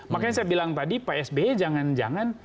makanya saya bilang tadi pak sby jangan jangan